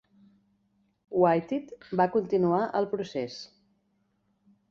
Whitted va continuar el procés.